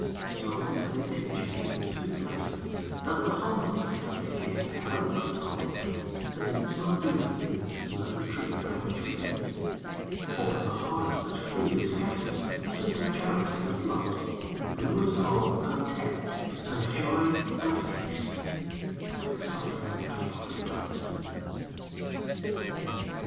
So, they teach me the sweet lesson, That the humblest may give Help and hope, and in so doing, Learn the truth by which we live; For the heart that freely scatters Simple charities and loves, Lures home content, and joy, and peace, Like a soft winged flock of doves.